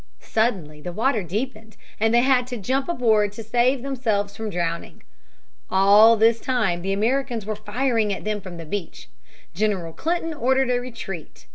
Suddenly the water deepened, and they had to jump aboard to save themselves from drowning. All this time Americans were firing at them from the beach. General Clinton ordered a retreat.